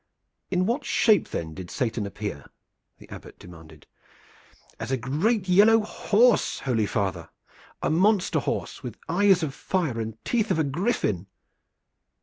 "In what shape then did Satan appear?" the Abbot demanded. "As a great yellow horse, holy father a monster horse, with eyes of fire and the teeth of a griffin."